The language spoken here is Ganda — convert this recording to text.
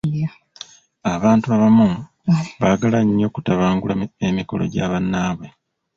Abantu abamu bagala nnyo kutabangula emikolo gya bannaabwe.